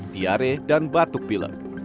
diare dan batuk bilek